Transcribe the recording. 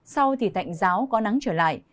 sau thì tạnh giáo có nắng trở lại